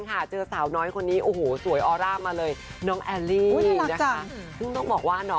ก็ใช่จะอยากให้ส่งหวนภูมิได้บ้าง